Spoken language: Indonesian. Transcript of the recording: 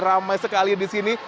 ramai sekali disini